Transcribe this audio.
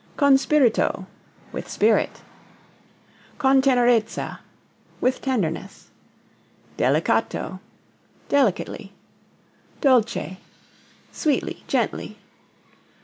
Con spirito with spirit. Con tenerezza with tenderness. Delicato delicately. Dolce sweetly, gently.